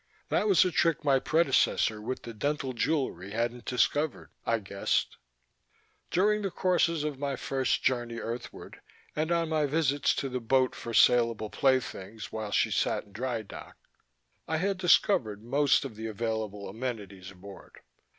That was a trick my predecessor with the dental jewelery hadn't discovered, I guessed. During the courses of my first journey earthward and on my visits to the boat for saleable playthings while she lay in dry dock, I had discovered most of the available amenities aboard.